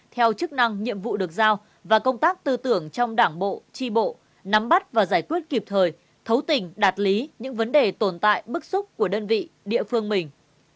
theo chức năng nhiệm vụ được giao và công tác tư tưởng trong đảng bộ tri bộ nắm bắt và giải quyết kịp thời thấu tình đạt lý những vấn đề tồn tại bức xúc của đơn vị địa phương mình